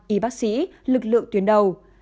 y bác sĩ lực lượng tuyến đầu